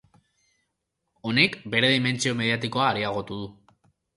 Honek bere dimentsio mediatikoa areagotu du.